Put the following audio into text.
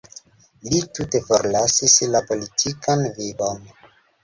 Li tute forlasis la politikan vivon.